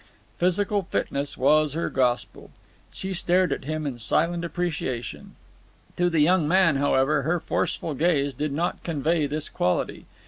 Physical fitness was her gospel. She stared at him in silent appreciation. To the young man, however, her forceful gaze did not convey this quality.